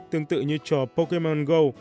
tương tự như cho pokemon go